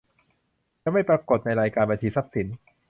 จะไม่ปรากฏในรายการบัญชีทรัพย์สิน